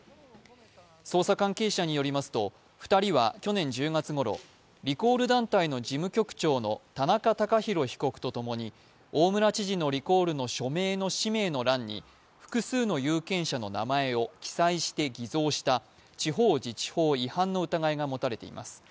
捜査関係者によりますと２人は去年１０月ごろ、リコール団体の事務局長の田中被告とともに大村知事のリコールの署名の氏名の欄に複数の有権者の名前を記載して偽造した地方自治法違反の疑いが持たれています。